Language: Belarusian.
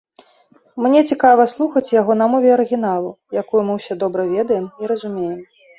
Мне цікава слухаць яго на мове арыгіналу, якую мы ўсе добра ведаем і разумеем.